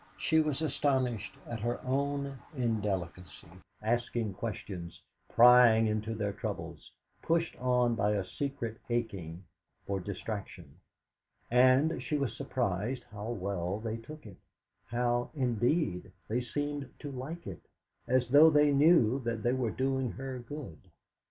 She was astonished at her own indelicacy, asking questions, prying into their troubles, pushed on by a secret aching for distraction; and she was surprised how well they took it how, indeed, they seemed to like it, as though they knew that they were doing her good.